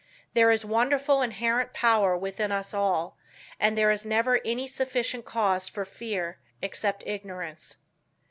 There is wonderful inherent power within us all, and there is never any sufficient cause for fear, except ignorance.